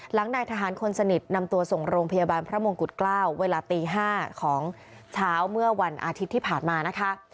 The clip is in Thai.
นายทหารคนสนิทนำตัวส่งโรงพยาบาลพระมงกุฎเกล้าเวลาตี๕ของเช้าเมื่อวันอาทิตย์ที่ผ่านมานะคะ